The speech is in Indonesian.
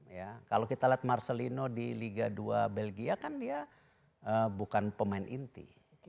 ya kalau kita lihat marcelino di liga dua belgia kan dia bukan pemain inti